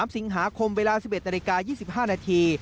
๓สิงหาคมเวลา๑๑นาฬิกา๒๕นาที